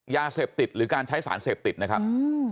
ยาเสพติดหรือการใช้สารเสพติดนะครับ